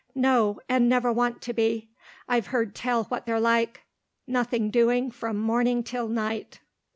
"No, and never want to be. I've heard tell what they're like. Nothing doing from morning till night."